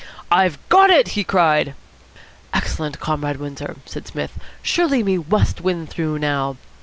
"I've got it," he cried. "Excellent, Comrade Windsor," said Psmith. "Surely we must win through now.